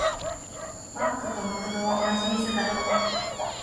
マックとマクドは同じ店だよ。